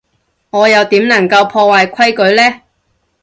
我又點能夠破壞規矩呢？